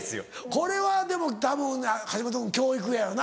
これはでもたぶん橋本君教育やよな？